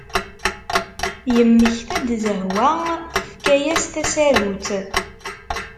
Yemmekta-d Zehwa tefka-as tasarut.